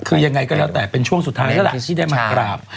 คือยังไงก็แล้วแต่เป็นช่วงสุดท้ายแล้วล่ะที่ได้มากราบ